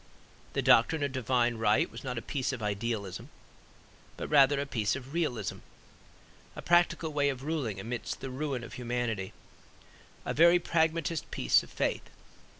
The doctrine of Divine Right was not a piece of idealism, but rather a piece of realism, a practical way of ruling amid the ruin of humanity; a very pragmatist piece of faith.